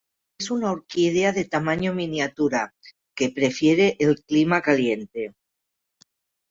Es una orquídea de tamaño miniatura, que prefiere el clima caliente.